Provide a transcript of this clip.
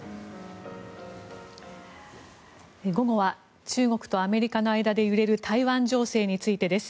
午後は中国とアメリカの間で揺れる台湾情勢についてです。